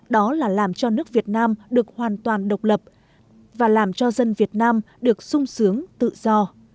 đó là làm cho nước việt nam được hoàn toàn độc lập và làm cho dân việt nam được sung sướng tự do